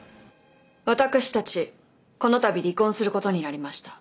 私たちこの度離婚することになりました。